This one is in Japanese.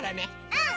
うん！